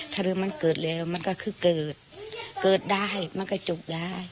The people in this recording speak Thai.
ถ้าเรื่องมันเกิดแล้วมันก็คือเกิดเกิดได้มันก็จบได้